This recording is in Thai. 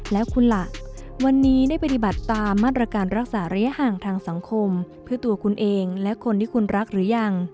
แล้วคุณล่ะวันนี้ได้ปฏิบัติตามมาตรการรักษาระยะห่างทางสังคมเพื่อตัวคุณเองและคนที่คุณรักหรือยัง